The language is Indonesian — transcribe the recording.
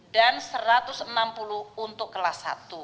dan rp satu ratus enam puluh untuk kelas satu